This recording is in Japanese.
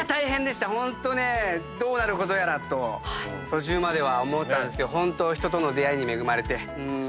ホントねどうなることやらと途中までは思ってたんですけど人との出会いに恵まれて。